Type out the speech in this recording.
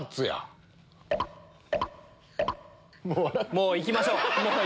もういきましょう。